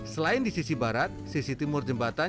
selain di sisi barat sisi timur jembatan